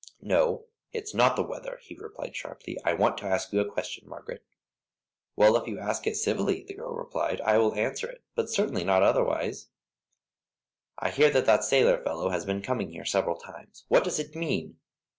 "No, it's not the weather," he replied, sharply. "I want to ask you a question, Margaret." "Well, if you ask it civilly," the girl replied, "I will answer it, but certainly not otherwise." "I hear that that sailor fellow has been coming here several times. What does it mean?"